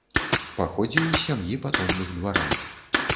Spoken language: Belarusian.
Паходзіў з сям'і патомных дваран.